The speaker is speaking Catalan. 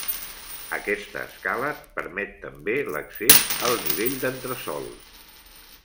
Aquesta escala permet també l'accés al nivell d'entresòl.